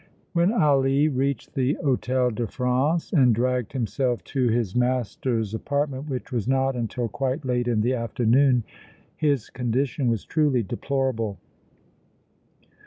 When Ali reached the Hôtel de France and dragged himself to his master's apartment, which was not until quite late in the afternoon, his condition was truly deplorable.